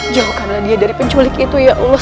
jauhkanlah dia dari penculik itu ya allah